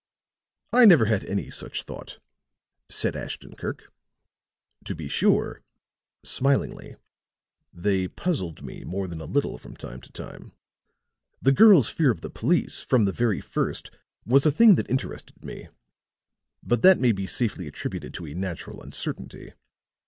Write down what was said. "I never had any such thought," said Ashton Kirk. "To be sure," smilingly, "they puzzled me more than a little from time to time. The girl's fear of the police, from the very first, was a thing that interested me. But that may be safely attributed to a natural uncertainty.